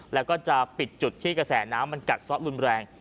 แล้วก็จะปิดจุดที่กระแสน้ำมันกัดซ่อรุนแรง